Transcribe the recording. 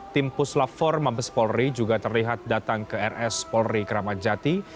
tim puslafor mabes polri juga terlihat datang ke rs polri kramajati